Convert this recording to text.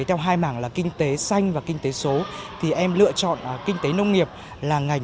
theo hai mảng là kinh tế xanh và kinh tế số thì em lựa chọn kinh tế nông nghiệp là ngành